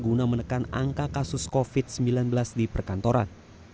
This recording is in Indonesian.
guna menekan angka kasus covid sembilan belas di perkantoran